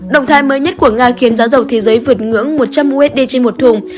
động thái mới nhất của nga khiến giá dầu thế giới vượt ngưỡng một trăm linh usd trên một thùng